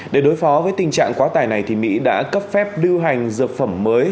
để đối phó với tình trạng quá tải này mỹ đã cấp phép đưa hành dược phẩm mới